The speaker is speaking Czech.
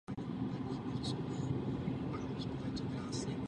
Zde začali tanec vyučovat a též slavili úspěchy v tamních soutěžích.